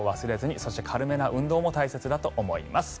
そして軽めの運動も大切だと思います。